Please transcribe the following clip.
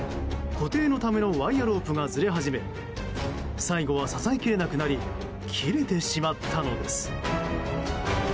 固定のためのワイヤロープがずれ始め最後は支えきれなくなり切れてしまったのです。